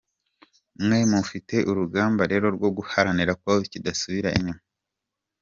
Mwe mufite urugamba rero rwo guharanira ko kidasubira inyuma.